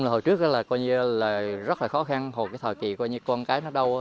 hồi trước là rất khó khăn hồi thời kỳ con cái nó đau